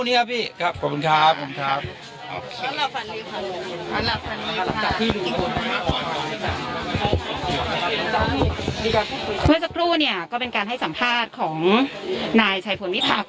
เดี๋ยวทำพรุ่งนี้พี่เอาพรุ่งนี้พี่เนาะ